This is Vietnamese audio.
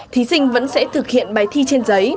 thí sinh vẫn sẽ thực hiện bài thi trên giấy